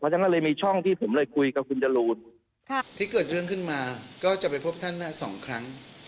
ฉะนั้นก็เลยมีช่องที่ผมเลยคุยกับคุณจรูนที่เกิดเรื่องขึ้นมาก็จะไปพบท่านสองครั้ง